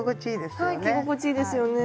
着心地いいですよね。